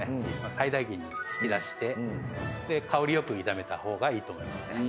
最大限に引き出してで香りよく炒めた方がいいと思いますね。